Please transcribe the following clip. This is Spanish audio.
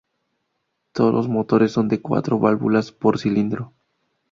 Todos los motores son de cuatro válvulas por cilindro.